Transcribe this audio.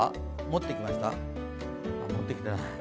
持ってきてない。